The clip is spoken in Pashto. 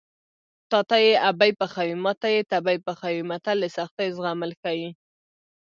تاته یې ابۍ پخوي ماته یې تبۍ پخوي متل د سختیو زغمل ښيي